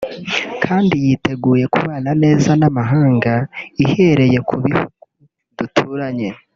kandi yiteguye kubana neza n’amahanga ihereye ku bihugu duturanye